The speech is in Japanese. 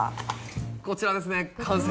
こちらですね完成。